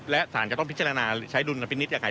และสารจะต้องพิจารณาใช้ดุลพินิษฐ์ยังไง